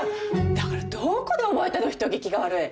だからどこで覚えたの人聞きが悪い。